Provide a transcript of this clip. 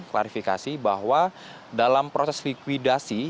klarifikasi bahwa dalam proses likuidasi